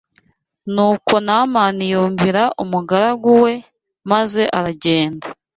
Nuko Namani yumvira umugaragu we maze aragenda